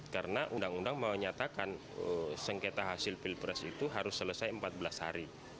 karena undang undang menyatakan sengketa hasil pilpres itu harus selesai empat belas hari